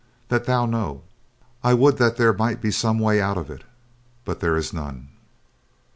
That thou know. I would that there might be some way out of it, but there is none.